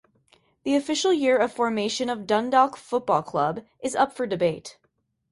The official year of formation of Dundalk Football Club is up for debate.